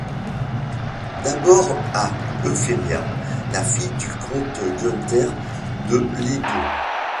D'abord avec Euphémia, la fille du comte Günther de Lindow.